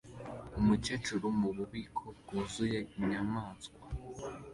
Umukecuru mububiko bwuzuye inyamaswa